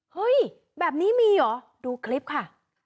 เฮ้ยแบบนี้มีเหรอดูคลิปค่ะ